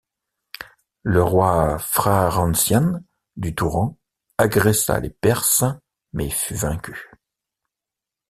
Le roi Fraransyan du Touran agressa les Perses mais fut vaincu.